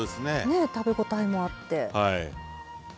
ねえ食べ応えもあって。